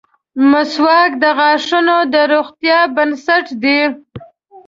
• مسواک د غاښونو د روغتیا بنسټ دی.